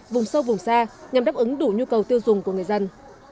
vùng sâu vùng xa nhằm đáp ứng đủ nhu cầu tiêu dùng của người dân